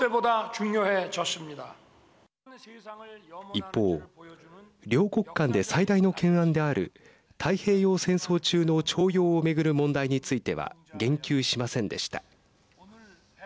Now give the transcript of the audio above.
一方、両国間で最大の懸案である太平洋戦争中の徴用を巡る問題については言及しませんでした。